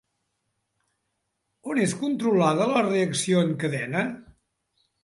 On és controlada la reacció en cadena?